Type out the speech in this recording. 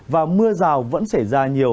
và mưa rào vẫn xảy ra nhiều